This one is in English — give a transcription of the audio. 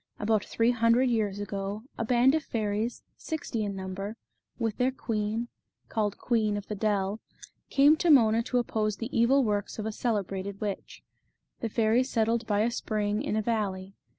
About three hundred years ago a band of fairies, sixty in number, with their queen, called Queen of the Dell, came to Mona to oppose the evil works of a celebrated witch. The fairies settled by a spring, in a valley.